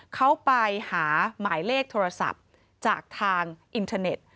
เขาไปหาหมายเลขโทรศัพท์จากทางอินเทอร์เน็ต